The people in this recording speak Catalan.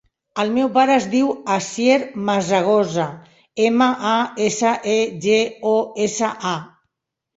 El meu pare es diu Asier Masegosa: ema, a, essa, e, ge, o, essa, a.